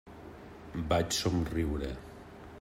Vaig somriure.